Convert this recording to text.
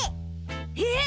えっ？